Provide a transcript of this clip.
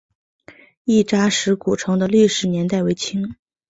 亦扎石古城的历史年代为清。